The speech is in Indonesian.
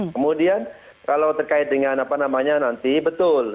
kemudian kalau terkait dengan apa namanya nanti betul